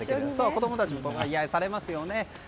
子供たちとか癒やされますよね。